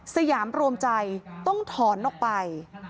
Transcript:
สยามรวมใจต้องถอนออกไป